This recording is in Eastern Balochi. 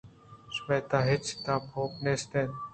شمئے تہا ہچ تپاوت نیست اِنت